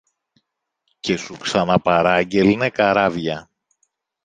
και σου ξαναπαράγγελνε καράβια